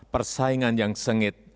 persaingan yang sengit